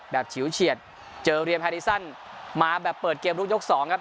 ฉิวเฉียดเจอเรียนแฮริสันมาแบบเปิดเกมลูกยกสองครับ